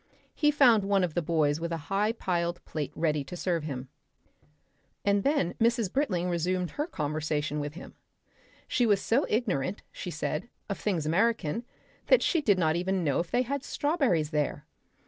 He found one of the boys with a high piled plate ready to serve him. And then Mrs. Britling resumed her conversation with him. She was so ignorant, she said, of things American, that she did not even know if they had strawberries there.